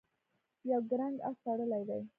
یو کرنګ آس تړلی دی.